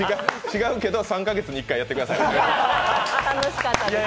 違うけど、３カ月に１回やってください。